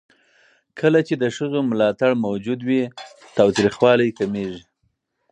کله چې د ښځو ملاتړ موجود وي، تاوتريخوالی کمېږي.